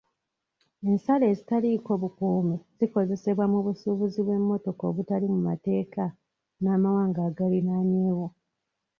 Ensalo ezitaliiko bukuumi zikozesebwa mu busuubuzi bw'emmotoka obutali mu mateeka n'amawanga agaliraanyeewo.